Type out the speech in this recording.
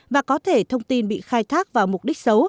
và có thể thông tin bị khai thác vào mục đích xấu